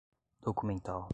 documental